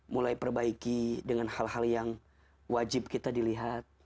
mulai perbaiki dengan hal hal yang wajib kita dilihat